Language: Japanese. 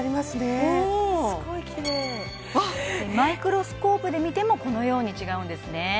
すごいきれいマイクロスコープで見てもこのように違うんですね